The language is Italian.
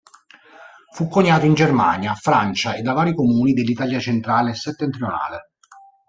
Fu coniato in Germania, Francia e da vari comuni dell'Italia centrale e settentrionale.